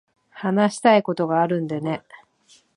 話したいことがあるんでね。